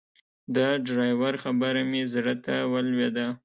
د ډرایور خبره مې زړه ته ولوېده.